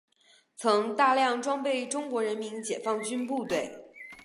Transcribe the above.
曾大量装备中国人民解放军部队。